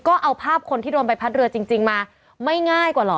ก็เอาภาพคนที่โดนใบพัดเรือจริงมาไม่ง่ายกว่าเหรอ